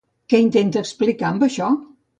Què intenta explicar amb això?